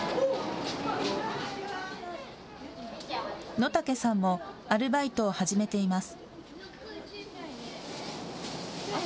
野武さんもアルバイトを始めています。